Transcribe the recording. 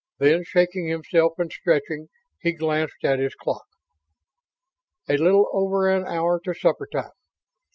Then, shaking himself and stretching, he glanced at his clock. A little over an hour to supper time.